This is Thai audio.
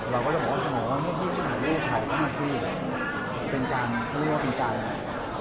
เราก็จะบอกว่าคุณหมอว่าเมื่อที่คุณถ่ายรูปถ่ายเข้ามาที่เป็นการเขาเรียกว่าเป็นการอะไร